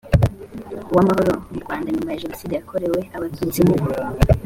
w amahoro mu rwanda nyuma ya jenoside yakorewe abatutsi mu